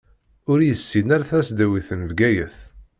Ur yessin ara tasdawit n Bgayet.